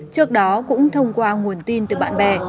trước đó cũng thông qua nguồn tin từ bạn bè